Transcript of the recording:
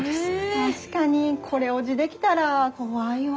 確かにこれ落ぢできたら怖いわ。